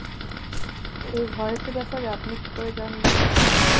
এই ভয়েসের ব্যাপারে আপনি কি করে জানলেন?